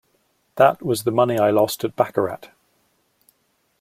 That was the money I lost at baccarat.